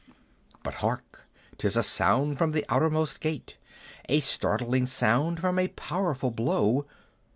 But hark 'tis a sound from the outermost gate: A startling sound from a powerful blow.